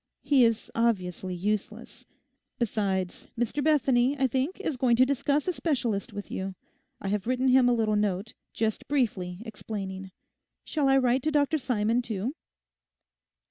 He is obviously useless. Besides, Mr Bethany, I think, is going to discuss a specialist with you. I have written him a little note, just briefly explaining. Shall I write to Dr Simon too?